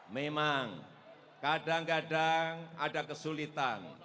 memang kadang kadang ada kesulitan